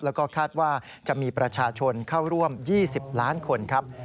แล้วก็คาดว่าจะมีประชาชนเข้าร่วม๒๐ล้านคนครับ